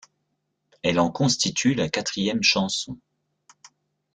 Elle en constitue la quatrième chanson.